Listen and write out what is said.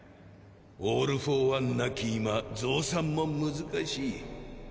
オール・フォー・ワンなき今増産も難しい。